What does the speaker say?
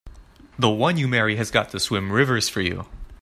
The one you marry has got to swim rivers for you!